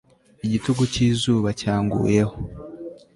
igitugu cy'izuba cyanguyeho